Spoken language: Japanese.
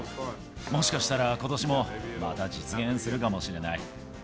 もしかしたらことしもまた実現するかもしれない。